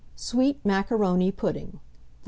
SWEET MACARONI PUDDING. 1301.